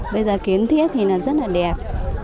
bây giờ kiến thiết thì nó rất là đẹp